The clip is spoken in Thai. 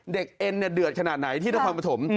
เด็กเอ็นเนี่ยเดือดขนาดไหนที่นครปฐม